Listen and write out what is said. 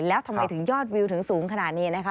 แล้วทำไมถึงยอดวิวถึงสูงขนาดนี้นะคะ